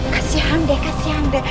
kasih anda kasih anda